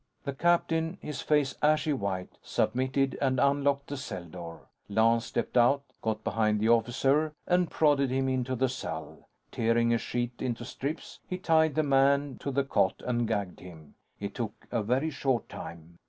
The captain, his face ashy white, submitted and unlocked the cell door. Lance stepped out, got behind the officer, and prodded him into the cell. Tearing a sheet into strips, he tied the man to the cot and gagged him. It took a very short time.